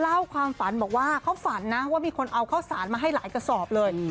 เล่าความฝันบอกว่าเขาฝันนะว่ามีคนเอาข้าวสารมาให้หลายกระสอบเลย